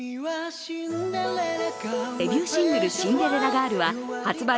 デビューシングル「シンデレラガール」は発売